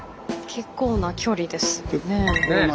結構な距離ありますね。